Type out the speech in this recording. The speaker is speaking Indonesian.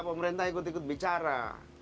pemerintah ikut ikut bicara